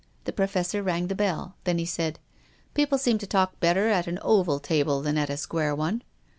The Professor rang the bell. Then he said, " People seem to talk better at an oval table than at a square one."